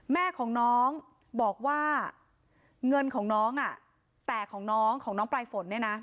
แม่ของน้องบอกว่าเงินของน้องแต่ของน้องปลายฝนนะ